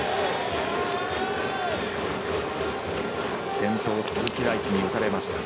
先頭鈴木大地に打たれました。